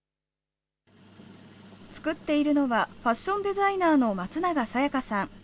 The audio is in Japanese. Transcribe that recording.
作っているのは、ファッションデザイナーのまつながさやかさん。